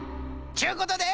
ちゅうことで！